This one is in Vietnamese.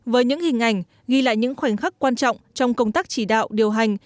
với những hình ảnh ghi lại những khoảnh khắc quan trọng trong công tác chỉ đạo điều hành